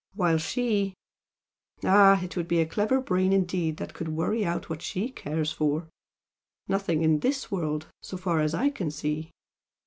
While she ah! it would be a clever brain indeed that could worry out what SHE cares for! Nothing in this world, so far as I can see!"